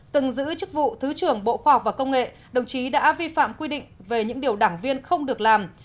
từng giữ chức vụ thứ trưởng bộ khoa học và công nghệ đồng chí đã vi phạm quy định về những điều đảng viên không được làm